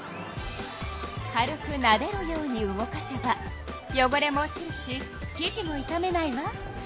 軽くなでるように動かせばよごれも落ちるしきじもいためないわ。